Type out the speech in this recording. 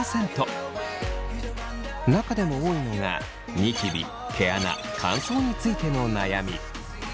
中でも多いのがニキビ毛穴乾燥についての悩み。